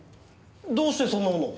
どうしてそんなもの？